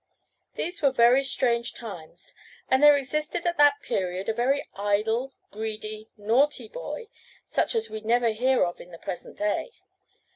These were very strange times, and there existed at that period a very idle, greedy, naughty boy, such as we never hear of in the present day.